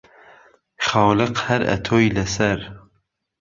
خالق هەر ئهتۆی لە سەر